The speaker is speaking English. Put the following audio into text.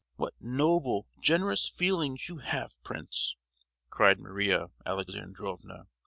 what noble, generous feelings you have, Prince!" cried Maria Alexandrovna.